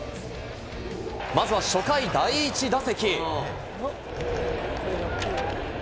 まずは初回、第１打席。